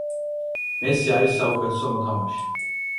მესი არის საუკეთესო მოთამაშე